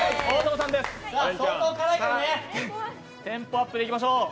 テンポアップでいきましょう。